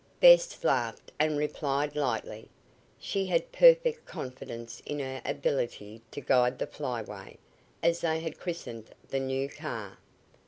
Bess laughed and replied lightly. She had perfect confidence in her ability to guide the Flyaway, as they had christened the new car.